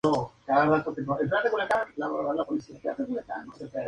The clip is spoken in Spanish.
Este cronista no menciona a los caras o su conquista.